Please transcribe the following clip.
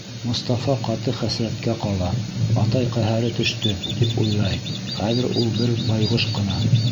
Мостафа ҡаты хәсрәткә ҡала, атай ҡәһәре төштө, тип уйлай, хәҙер ул бер байғош ҡына.